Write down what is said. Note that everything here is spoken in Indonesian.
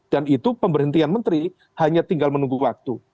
dan itu pemberhentian menteri hanya tinggal menunggu waktu